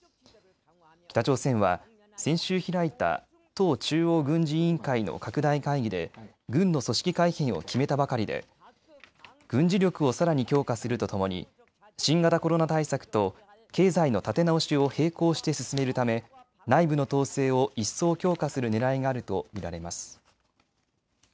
北朝鮮は先週開いた党中央軍事委員会の拡大会議で軍の組織改編を決めたばかりで軍事力をさらに強化するとともに新型コロナ対策と経済の立て直しを並行して進めるため内部の統制を一層強化するねらいがあると見られます。